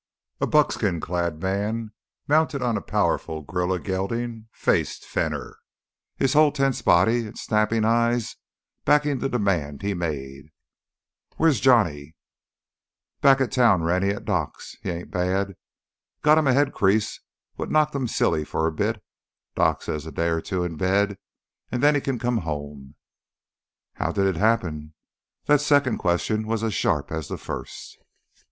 A buckskin clad man mounted on a powerful grulla gelding faced Fenner, his whole tense body and snapping eyes backing the demand he made: "Where's Johnny?" "Back at town, Rennie, at Doc's. He ain't bad. Got him a head crease wot knocked him silly for a bit. Doc says a day o' two in bed and then he kin come home." "How did it happen?" That second question was as sharp as the first.